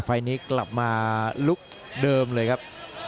ไฟล์นี้กลับมาลุคเดิมเลยครับ